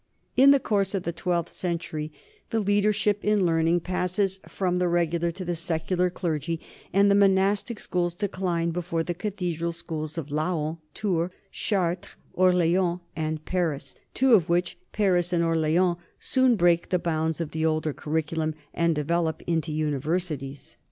NORMAN LIFE AND CULTURE 177 In the course of the twelfth century the leadership in learning passes from the regular to the secular clergy, and the monastic schools decline before the cathedral schools of Laon, Tours, Chartres, Orleans, and Paris, two of which, Paris and Orleans, soon break the bounds of the older curriculum and develop into universities.